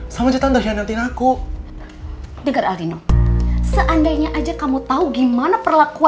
semua pengunjung yang datang itu kecewa